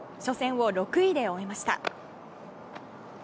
初戦を６位で終えました。